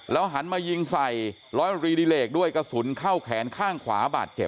หันมายิงใส่ร้อยตรีดิเหลกด้วยกระสุนเข้าแขนข้างขวาบาดเจ็บ